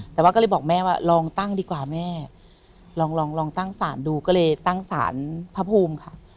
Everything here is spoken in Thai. แต่ว่าก็เลยบอกแม่ว่าลองตั้งดีกว่าแม่ลองลองตั้งศาลดูก็เลยตั้งสารพระภูมิค่ะ